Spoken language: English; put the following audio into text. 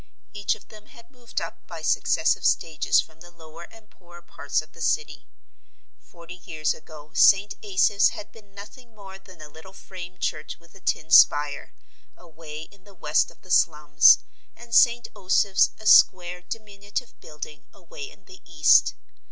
Each of them had moved up by successive stages from the lower and poorer parts of the city. Forty years ago St. Asaph's had been nothing more than a little frame church with a tin spire, away in the west of the slums, and St. Osoph's a square, diminutive building away in the east.